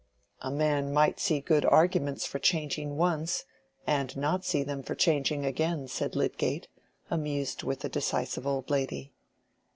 "A man might see good arguments for changing once, and not see them for changing again," said Lydgate, amused with the decisive old lady.